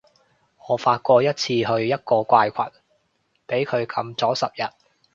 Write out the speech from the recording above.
我發過一次去一個怪群，畀佢禁咗十日